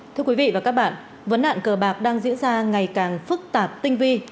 thưa quý vị và các bạn vấn nạn cờ bạc đang diễn ra ngày càng phức tạp tinh vi